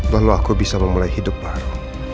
lalu aku bisa memulai hidup baru